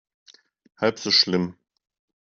Halb so schlimm.